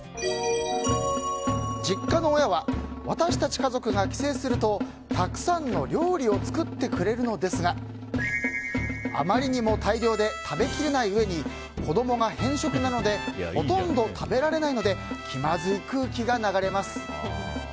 実家の親は私たち家族が帰省するとたくさんの料理を作ってくれるのですがあまりにも大量で食べきれないうえに子供が偏食なのでほとんど食べられないので気まずい空気が流れます。